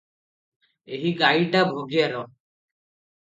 ଏହି ଗାଈଟା ଭଗିଆର ।